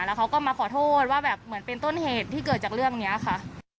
แล้วเขาก็มาขอโทษว่าแบบเหมือนเป็นต้นเหตุที่เกิดจากเรื่องนี้ค่ะ